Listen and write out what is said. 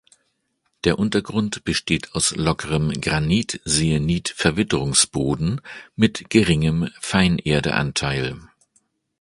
Der Untergrund besteht aus lockerem Granit-Syenit-Verwitterungsboden mit geringem Feinerdeanteil.